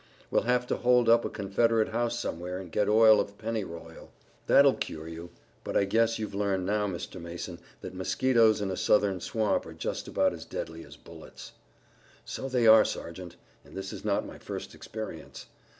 "We'll have to hold up a Confederate house somewhere and get oil of pennyroyal. That'll cure you, but I guess you've learned now, Mr. Mason, that mosquitoes in a southern swamp are just about as deadly as bullets." "So they are, Sergeant, and this is not my first experience.